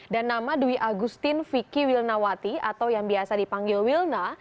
dan nama dwi agustin vicky wilnawati atau yang biasa dipanggil wilna